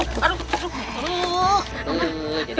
aduh aduh aduh